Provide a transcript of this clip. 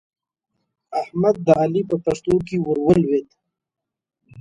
احمد د علي په پښتو کې ور ولوېد.